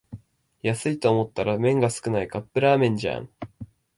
安いと思ったら麺が少ないカップラーメンじゃん